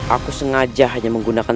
aku sengaja hanya menggunakan